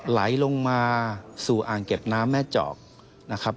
ไหลลงมาสู่อ่างเก็บน้ำแม่จอกนะครับ